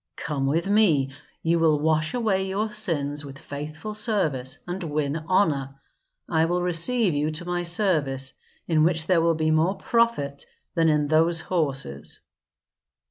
Come with me; you will wash away your sins with faithful service and win honor. I will receive you to my service, in which there will be more profit than in those horses."